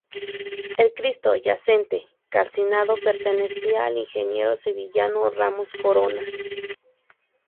El cristo yacente calcinado pertenecía al imaginero sevillano Ramos Corona.